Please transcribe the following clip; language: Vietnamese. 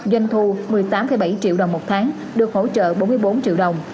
doanh thu một mươi tám bảy triệu đồng một tháng được hỗ trợ bốn mươi bốn triệu đồng